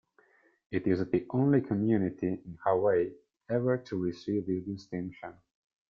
It is the only community in Hawaii ever to receive this distinction.